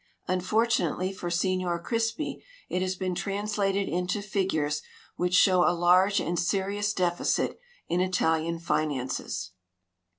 Unfortunately for Signor Crispi it has been translated into figures which show a large and serious deficit in Italian finances.